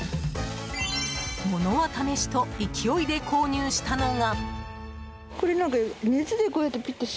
物は試しと勢いで購入したのが。